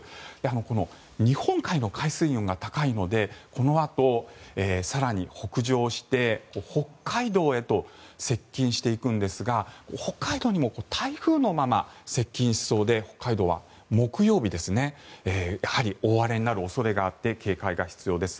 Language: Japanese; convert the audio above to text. この日本海の海水温が高いのでこのあと更に北上して北海道へと接近していくんですが北海道にも台風のまま接近しそうで北海道は木曜日やはり大荒れになる恐れがあって警戒が必要です。